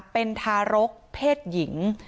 เป็นทารกเพศหญิง